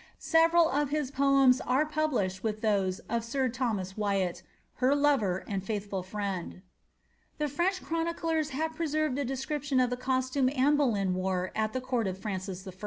Several of his poems i lished with those by sir Thomas Wyatt, her lover and foilhful fi The French chroniclers have preserved a description of the i Anne Boleyn wore at the court of Francis I.